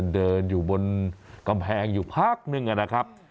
เดินอยู่บนกำแพงอยู่พักนึงนะครับ